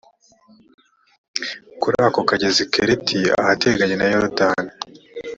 kuri ako kagezi keriti ahateganye na yorodani